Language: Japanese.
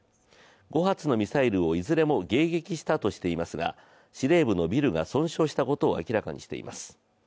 ５発のミサイルをいずれも迎撃したとしていますが、司令部のビルが損傷したことを明らかにしています。